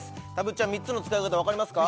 ちゃん３つの使い方わかりますか？